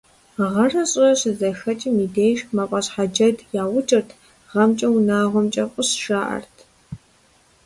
Гъэрэ щӀырэ щызэхэкӀым и деж «мафӀэщхьэджэд» яукӀырт, «гъэмкӀэ, унагъуэмкӀэ фӀыщ», жаӀэрти.